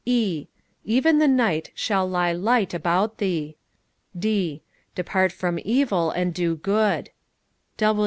"E Even the night shall lie light about thee. D Depart from evil and do good.